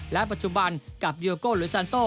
และปัจจุบันกับยูโอโกลุยสันโต